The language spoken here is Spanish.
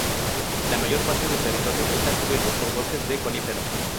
La mayor parte del territorio está cubierto por bosques de coníferas.